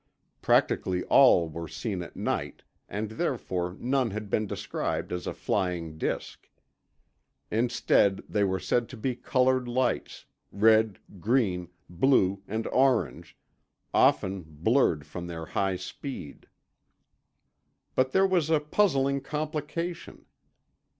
Practically all were seen at night, and therefore none had been described as a flying disk. Instead, they were said to be colored lights, red, green, blue, and orange, often blurred from their high speed. But there was a puzzling complication.